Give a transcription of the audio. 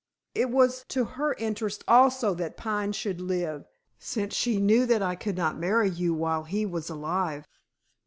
It was to her interest also that Pine should live, since she knew that I could not marry you while he was alive."